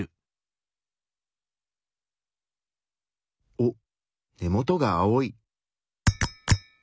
おっ根元が青い。